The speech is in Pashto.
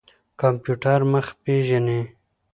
کمپيوټر مخ پېژني.